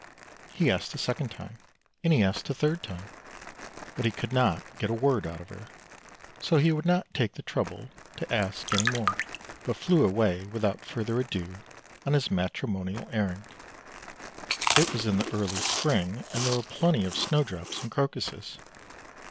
He asked a second time, and he asked a third time, but he could not get a word out of her; so he would not take the trouble to ask any more, but flew away without further ado on his matrimonial errand. It was in the early spring, and there were plenty of Snow drops and Crocuses.